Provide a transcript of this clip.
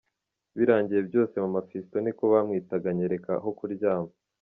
Birangiye byose Maman Fiston niko bamwitaga anyereka aho kuryama.